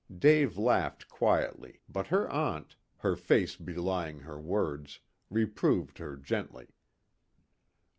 Dave laughed quietly, but her aunt, her face belying her words, reproved her gently.